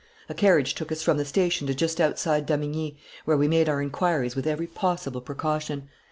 A carriage took us from the station to just outside Damigni, where we made our inquiries with every possible precaution.